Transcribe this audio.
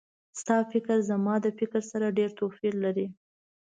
ستا فکر زما د فکر سره ډېر توپیر لري